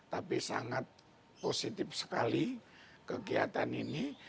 tapi sangat positif sekali kegiatan ini